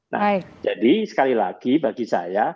nah jadi sekali lagi bagi saya